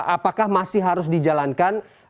apakah masih harus dijalankan